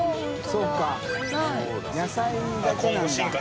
そうか野菜だけなんだ。